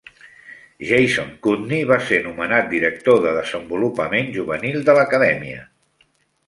Jason Kutney va ser nomenat director de Desenvolupament Juvenil de l'acadèmia.